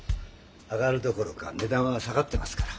上がるどころかねだんは下がってますから。